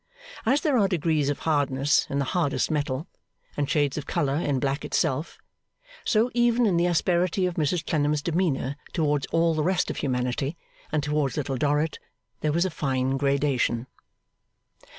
As there are degrees of hardness in the hardest metal, and shades of colour in black itself, so, even in the asperity of Mrs Clennam's demeanour towards all the rest of humanity and towards Little Dorrit, there was a fine gradation.